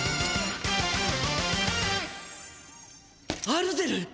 アルゼル！